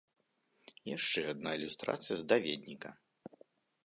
Яшчэ адна ілюстрацыя з даведніка.